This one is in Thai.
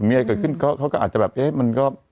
มีอะไรเกิดขึ้นเขาก็อาจจะแบบ